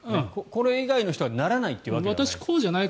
これ以外の人はならないというわけじゃない。